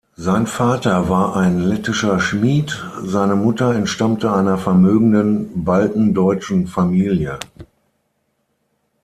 Sein Vater war ein lettischer Schmied, seine Mutter entstammte einer vermögenden baltendeutschen Familie.